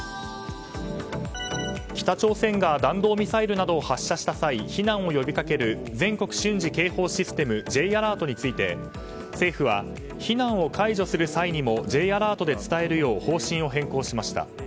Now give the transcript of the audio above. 北朝鮮が弾道ミサイルなどを発射した際避難を呼びかける全国瞬時警報システムＪアラートについて政府は避難を解除する際にもＪアラートで伝えるよう方針を変更しました。